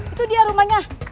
itu dia rumahnya